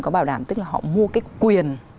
có bảo đảm tức là họ mua cái quyền